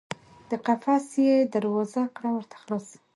د قفس یې دروازه کړه ورته خلاصه